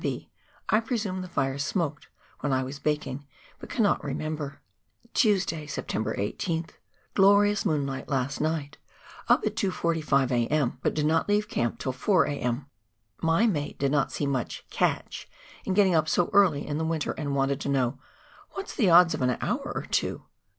(N.B, I presume the fire smoked when I was baking, but cannot remember !) Tuesday, September l^th. — Glorious moonlight last night. Up at 2.45 A.M., but did not leave camp till 4 a.m. My mate did not see much " catch " in getting up so early in the winter, and wanted to know " What's the odds of an hour or two